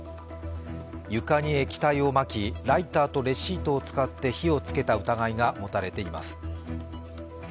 床に液体をまき、ライターとレシートを使って火をつけた疑いが持たれています。